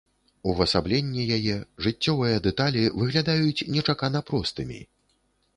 Увасабленне яе, жыццёвыя дэталі выглядаюць нечакана простымі.